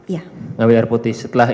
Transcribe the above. iya ngambil air putih setelah